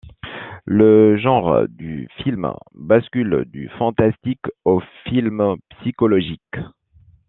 Le genre du film bascule du fantastique au film psychologique.